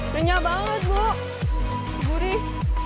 renyap banget bu gurih